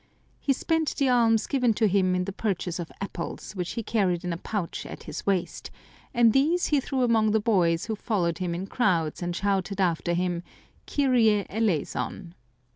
He spent the alms given to him in the purchase of apples, which he carried in a pouch at his waist, and these he threw among the boys who followed him in crowds and shouted after him, " Kyrie eleison